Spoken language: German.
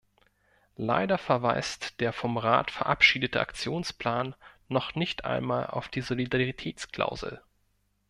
Leider verweist der vom Rat verabschiedete Aktionsplan noch nicht einmal auf die Solidaritätsklausel.